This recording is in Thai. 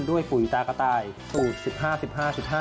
ด้วยปุ๋ยตากระต่ายสูตร๑๕๑๕๑๕